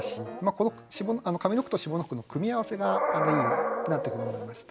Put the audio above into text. この上の句と下の句の組み合わせがいいなというふうに思いました。